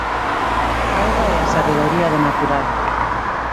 Auga e a sabedoría do natural.